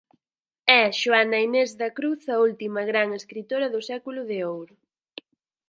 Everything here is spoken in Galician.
É Xoana Inés da Cruz a última gran escritora do Século de Ouro.